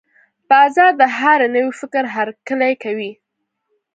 بازار د هر نوي فکر هرکلی کوي.